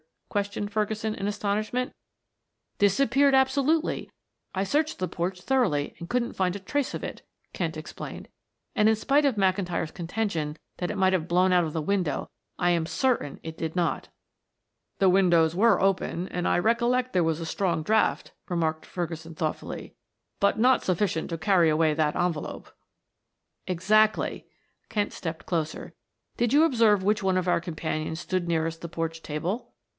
questioned Ferguson in astonishment. "Disappeared absolutely; I searched the porch thoroughly and couldn't find a trace of it," Kent explained. "And in spite of McIntyre's contention that it might have blown out of the window, I am certain it did not." "The windows were open, and I recollect there was a strong draught," remarked Ferguson thoughtfully. "But not sufficient to carry away that envelope." "Exactly." Kent stepped closer. "Did you observe which one of our companions stood nearest the porch table?"